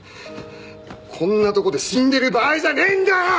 こんなとこで死んでる場合じゃねえんだよ‼